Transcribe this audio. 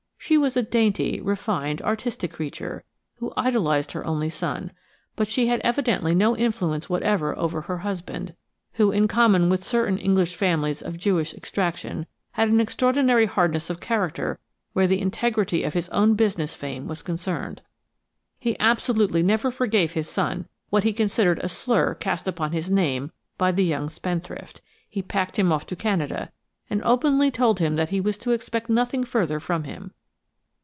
She was a dainty, refined, artistic creature, who idolised her only son, but she had evidently no influence whatever over her husband, who, in common with certain English families of Jewish extraction, had an extraordinary hardness of character where the integrity of his own business fame was concerned. He absolutely never forgave his son what he considered a slur cast upon his name by the young spendthrift; he packed him off to Canada, and openly told him that he was to expect nothing further from him.